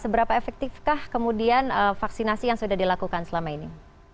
seberapa efektifkah kemudian vaksinasi yang sudah dilakukan selama ini